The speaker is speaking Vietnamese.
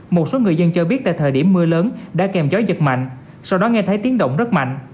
một số người dân cho biết tại thời điểm mưa lớn đã kèm gió giật mạnh sau đó nghe thấy tiếng động rất mạnh